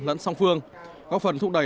lẫn song phương góp phần thúc đẩy